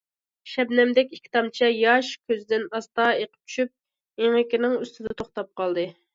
شەبنەمدەك ئىككى تامچە ياش كۆزىدىن ئاستا ئېقىپ چۈشۈپ، ئېڭىكىنىڭ ئۈستىدە توختاپ قالدى.